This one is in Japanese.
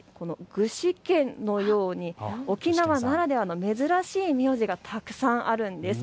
具志堅のように沖縄ならではの珍しい名字がたくさんあるんです。